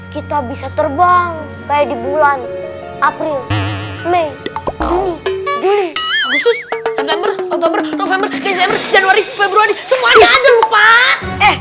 kita bisa terbang kayak di bulan april may juni juli agustus september oktober november desember januari februari semua aja aja lokman